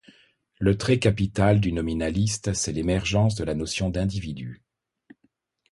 Le trait capital du nominaliste, c'est l'émergence de la notion d'individu